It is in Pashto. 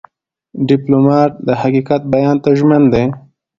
ډيپلومات د حقیقت بیان ته ژمن دی.